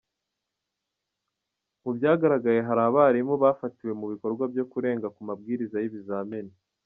Mu byagaragaye hari abarimu bafatiwe mu bikorwa byo kurenga ku mabwiriza y’ibizamini.